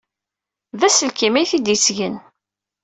D aselkim ay t-id-yettgen.